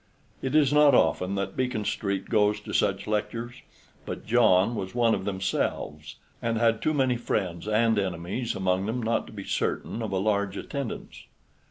It is not often that Beacon Street goes to such lectures, but John was one of themselves, and had too many friends and enemies among them not to be certain of a large attendance.